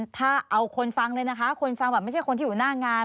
ถ้าเอาคนฟังเลยนะคะคนฟังแบบไม่ใช่คนที่อยู่หน้างาน